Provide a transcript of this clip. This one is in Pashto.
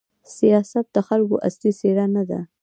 سیاست د خلکو اصلي څېره نه ده.